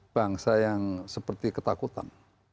bangsa yang seperti ketakutan